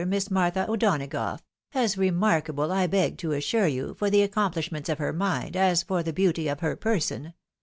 Miss Martha O'Dona gough ; as remarkable, I beg to assure you, for the accomplish ments of her mind, as for the beauty of her person.